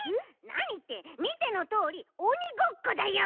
なにってみてのとおりおにごっこだよ！